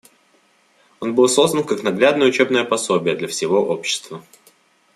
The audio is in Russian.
Он был создан как наглядное учебное пособие для всего общества.